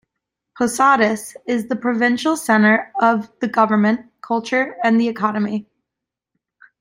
Posadas is the provincial centre of the government, culture and the economy.